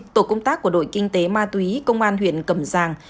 tổ công tác của đội kinh tế ma túy công an huyện cẩm giang